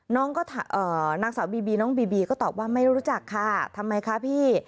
นางสาวบีบีน้องบีบีก็ตอบว่าไม่รู้จักค่ะทำไมคะพี่